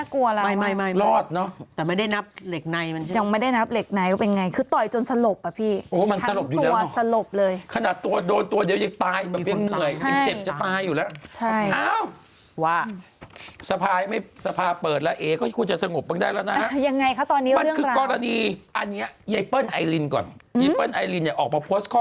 ก็อาจจะเป็นแบบเขาไม่หานี่ไม่เห็นภาพ